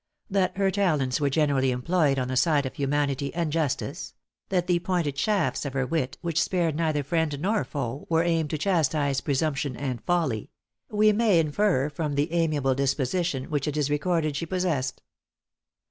That her talents were generally employed on the side of humanity and justice, that the pointed shafts of her wit, which spared neither friend nor foe, were aimed to chastise presumption and folly we may infer from the amiable disposition which it is recorded she possessed.